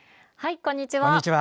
こんにちは。